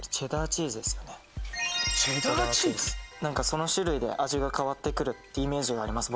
その種類で味が変わってくるってイメージがあります